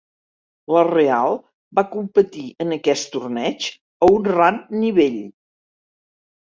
La Real va competir en aquest torneig a un ran nivell.